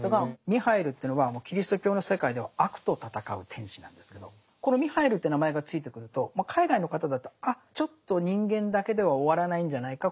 ミハイルってのはもうキリスト教の世界では悪と戦う天使なんですけどこのミハイルって名前が付いてくると海外の方だと「あっちょっと人間だけでは終わらないんじゃないか